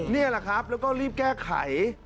นี่แหละครับแล้วก็รีบแก้ไข